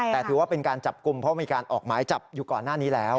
แต่ถือว่าเป็นการจับกลุ่มเพราะมีการออกหมายจับอยู่ก่อนหน้านี้แล้ว